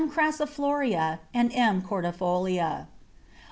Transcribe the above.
crassifolia_ and M. cordifolia.